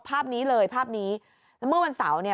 ภาพนี้เลยภาพนี้เมื่อวันเสาร์เนี่ย